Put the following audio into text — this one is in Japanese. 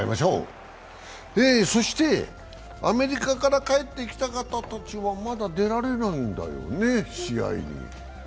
アメリカから帰ってきた方たちはまだ出られないんだよね、試合に。